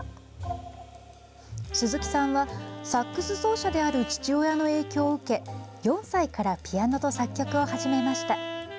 鈴木さんはサックス奏者である父親の影響を受け４歳からピアノと作曲を始めました。